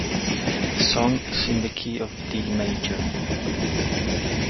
The song is in the key of D major.